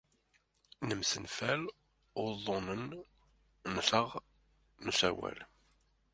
Nemsenfal uḍḍunen-nteɣ n usawal.